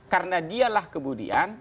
karena dialah kemudian